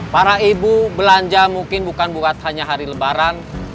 para ibu belanja mungkin bukan hanya hari lebaran